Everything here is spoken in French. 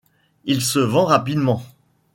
Il se vend rapidement.